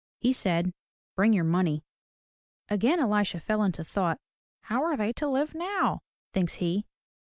He said, "Bring your money.'' Again Elisha fell into thought. "How are they to live now?" thinks he.